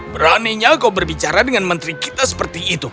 beraninya kau berbicara dengan menteri kita seperti itu